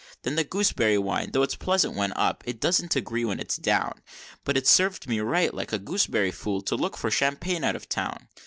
Then the gooseberry wine, tho' it's pleasant when up, it doesn't agree when it's down, But it served me right like a gooseberry fool to look for champagne out of town!